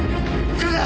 来るな！